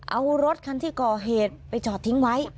เอารถคันที่ก่อเหตุไปจอดทิ้งไว้